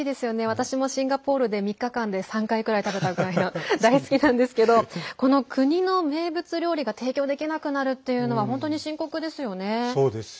私もシンガポールで３日間で３回くらい食べたくらい大好きなんですけどこの国の名物料理が提供できなくなるというのは本当に深刻ですよね。